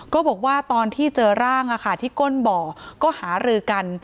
ก็บอกว่าตอนที่เจอร่างที่ก้นบ่อก็หารือกัน